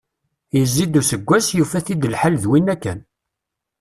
Yezzi-d useggas, yufa-t-id lḥal d winna kan.